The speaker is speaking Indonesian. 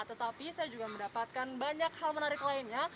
tetapi saya juga mendapatkan banyak hal menarik lainnya